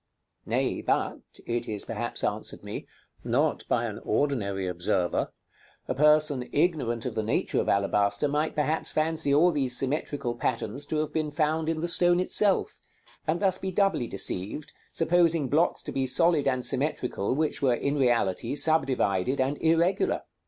Nay, but, it is perhaps answered me, not by an ordinary observer; a person ignorant of the nature of alabaster might perhaps fancy all these symmetrical patterns to have been found in the stone itself, and thus be doubly deceived, supposing blocks to be solid and symmetrical which were in reality subdivided and irregular.